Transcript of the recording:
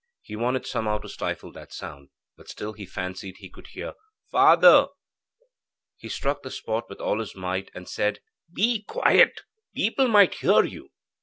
He wanted somehow to stifle that sound, but still he fancied he could hear 'Father.' He struck the spot with all his might and said: 'Be quiet people might hear you.'